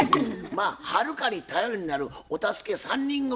まあはるかに頼りになるお助け３人組